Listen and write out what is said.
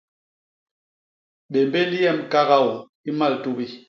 Bémbél yem kakaô i mmal tubi.